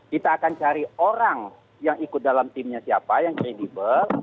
kita akan cari orang yang ikut dalam timnya siapa yang kredibel